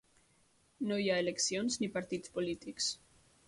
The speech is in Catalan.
No hi ha eleccions ni partits polítics.